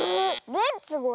「レッツゴー！